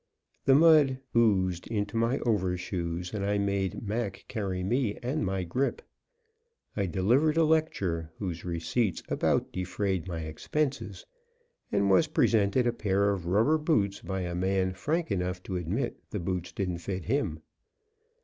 The mud oozed into my overshoes, and I made Mac carry me and my grip. I delivered a lecture, whose receipts about defrayed my expenses, and was presented a pair of rubber boots by a man frank enough to admit the boots didn't fit him.